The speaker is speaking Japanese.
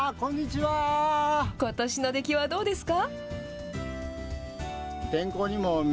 ことしの出来はどうですか？